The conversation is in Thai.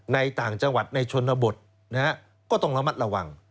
ต่างจังหวัดในชนบทก็ต้องระมัดระวัง